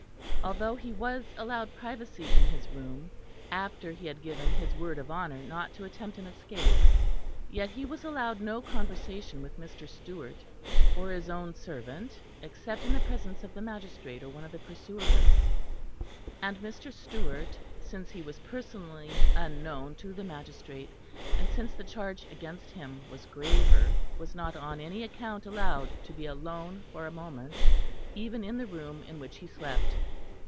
Although he was allowed privacy in his room, after he had given his word of honour not to attempt an escape, yet he was allowed no conversation with Mr. Stewart or his own servant except in the presence of the magistrate or one of the pursuivants; and Mr. Stewart, since he was personally unknown to the magistrate, and since the charge against him was graver, was not on any account allowed to be alone for a moment, even in the room in which he slept.